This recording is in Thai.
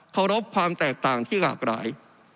เคารพความแตกต่างที่หลากหลาย